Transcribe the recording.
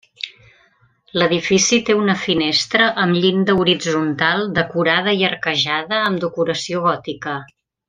L'edifici té una finestra amb llinda horitzontal decorada i arquejada amb decoració gòtica.